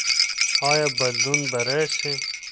ایا بدلون به راسي؟